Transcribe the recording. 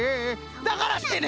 だからしてね。